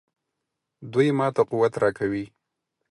دوی ماته قوت راکوي.